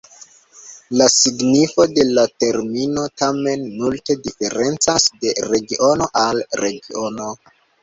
La signifo de la termino tamen multe diferencas de regiono al regiono.